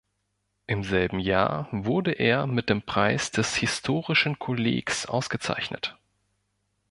Im selben Jahr wurde er mit dem Preis des Historischen Kollegs ausgezeichnet.